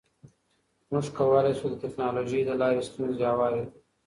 موږ کولی شو د ټکنالوژۍ له لارې ستونزې هوارې کړو.